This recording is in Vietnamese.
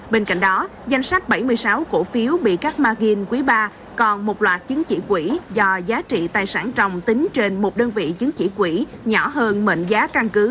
bên cạnh đó danh sách bảy mươi sáu cổ phiếu bị các margin quý ba còn một loạt chứng chỉ quỹ do giá trị tài sản trồng tính trên một đơn vị chứng chỉ quỹ nhỏ hơn mệnh giá căn cứ